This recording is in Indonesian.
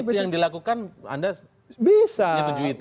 kalau itu yang dilakukan anda nyatuju itu